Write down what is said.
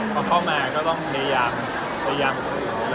ตอนเข้ามาก็ต้องพยายามอยู่